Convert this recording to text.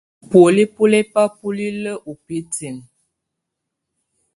Bùóli bɔ́ lɛ bá bulilǝ́ ú bǝ́tinǝ́.